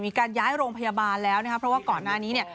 มีการย้ายโรงพยาบาลแล้วนะครับเพราะว่าก่อนหน้านี้เนี่ย